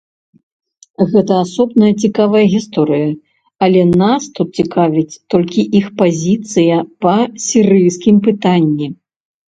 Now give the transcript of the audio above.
Гэта асобная цікавая гісторыя, але нас тут цікавіць толькі іх пазіцыя па сірыйскім пытанні.